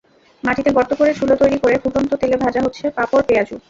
মাটিতে গর্ত করে চুলো তৈরি করে ফুটন্ত তেলে ভাজা হচ্ছে পাঁপড়, পেঁয়াজু।